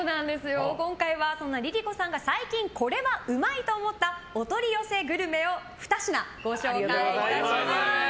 今回そんなＬｉＬｉＣｏさんが最近これはうまいと思ったお取り寄せグルメを２品ご紹介いたします。